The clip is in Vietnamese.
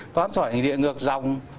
tán sỏi hình địa ngược dòng